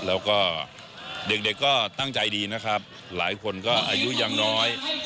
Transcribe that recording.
แล้วก็เด็กก็ตั้งใจดีนะครับหลายคนก็อายุยังน้อย